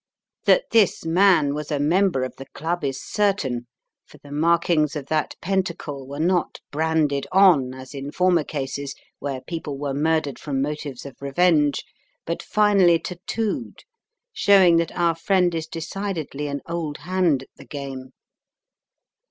That this man was a member of the Club is certain, for the markings of that Fentacle were not branded on, as in former cases where people were murdered from motives of revenge, but finely tattooed, showing that our friend is decidedly an old hand at the game.